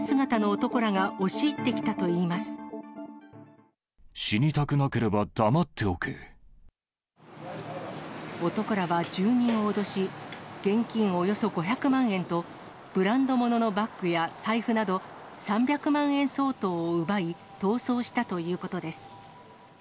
男らは住人を脅し、現金およそ５００万円と、ブランド物のバッグや財布など、３００万円相当を奪い、逃走したということです。